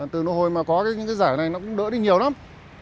từ nội hồi mà có những cái giải này nó cũng đỡ đi nhiều lắm